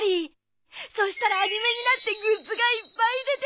そしたらアニメになってグッズがいっぱい出て。